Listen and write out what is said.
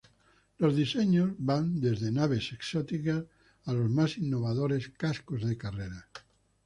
Los diseños van desde naves exóticas, a los más innovadores cascos de carreras.